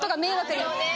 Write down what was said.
そうね。